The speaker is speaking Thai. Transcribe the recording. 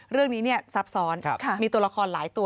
เรื่องนี้ซับซ้อนมีตัวละครหลายตัว